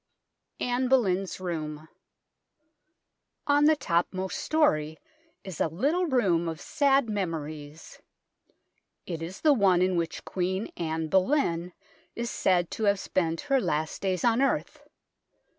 ANNE BOLEYN'S ROOM On the topmost storey is a little room of sad memories. It is the one in which Queen Anne Boleyn is said to have spent her last days on earth.